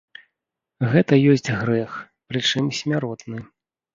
Гэта ёсць грэх, прычым смяротны.